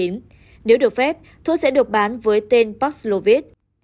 nếu được phép thuốc sẽ được bán với tên paxlovite